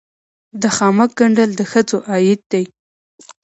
د خامک ګنډل د ښځو عاید دی